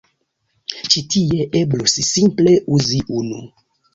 Ĉi tie eblus simple uzi unu.